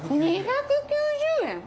「２９０円」！？